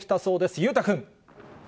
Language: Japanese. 裕太君。